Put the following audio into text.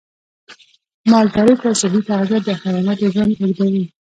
مالدارۍ ته صحي تغذیه د حیواناتو ژوند اوږدوي.